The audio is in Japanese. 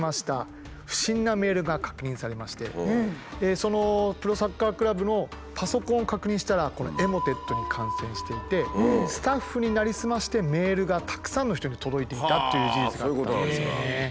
そのプロサッカークラブのパソコンを確認したらこのエモテットに感染していてスタッフになりすましてメールがたくさんの人に届いていたっていう事実があったんですよね。